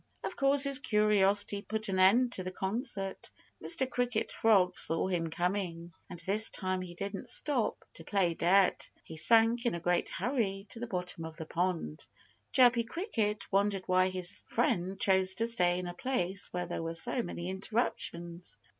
Of course, his curiosity put an end to the concert. Mr. Cricket Frog saw him coming. And this time he didn't stop to play dead. He sank in a great hurry to the bottom of the pond. Chirpy Cricket wondered why his friend chose to stay in a place where there were so many interruptions.